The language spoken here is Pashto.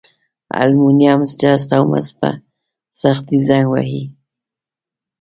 المونیم، جست او مس په سختي زنګ وهي.